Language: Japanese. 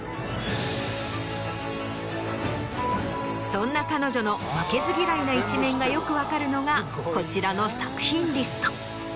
そんな彼女の負けず嫌いな一面がよく分かるのがこちらの作品リスト。